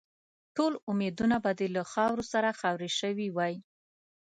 ټول امیدونه به دې له خاورو سره خاوري شوي وای.